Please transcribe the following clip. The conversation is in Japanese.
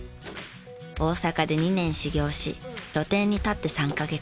大阪で２年修業し露店に立って３カ月。